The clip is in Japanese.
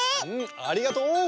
ありがとう！